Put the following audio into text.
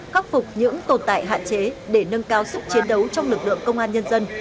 khắc phục những tồn tại hạn chế để nâng cao sức chiến đấu trong lực lượng công an nhân dân